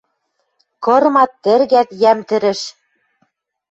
Кырмат, тӹргӓт йӓм тӹрӹш